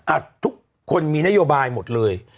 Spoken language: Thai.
ทุกคนมีนโยบายหมดเลย